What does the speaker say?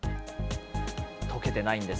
溶けてないんです。